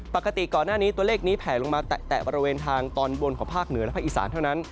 ปกติก่อนหน้านี้ตัวเลขนี้แผลลงมาแตะบริเวณทางตอนบนของภาคเหนือและภาคอีสานเท่านั้น